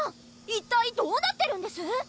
一体どうなってるんです？